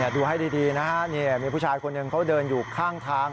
ดูให้ดีนะครับมีผู้ชายคนเดินอยู่ข้างทาง